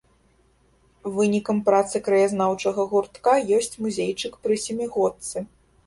Вынікам працы краязнаўчага гуртка ёсць музейчык пры сямігодцы.